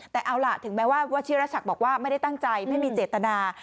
แต่เอาล่ะถึงแม้ว่าวัชิรศักดิ์บอกว่าไม่ได้ตั้งใจไม่มีเจตนา